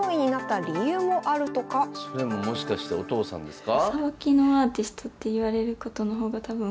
それももしかしたらお父さんですか？